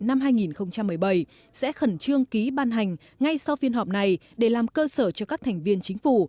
năm hai nghìn một mươi bảy sẽ khẩn trương ký ban hành ngay sau phiên họp này để làm cơ sở cho các thành viên chính phủ